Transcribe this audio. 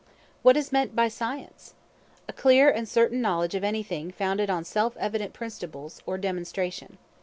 What is meant by Science? A clear and certain knowledge of anything founded on self evident principles, or demonstration.